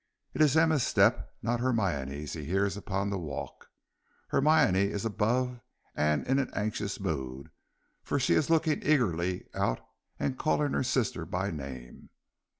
It is Emma's step, not Hermione's, he hears upon the walk. Hermione is above and in an anxious mood, for she is looking eagerly out and calling her sister by name.